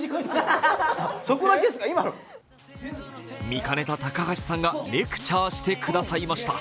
見かねた高橋さんがレクチャーしてくださいました。